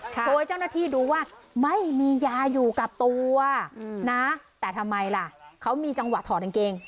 โชว์เจ้าหน้าที่ดูว่าไม่มียาอยู่กับตัวนะแต่ทำไมล่ะเขามีจังหวะถอดกางเกง